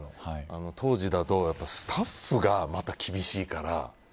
当時だと、スタッフがまた厳しいから。